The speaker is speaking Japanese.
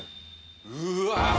うわ！